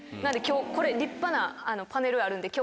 これ立派なパネルあるんで今日。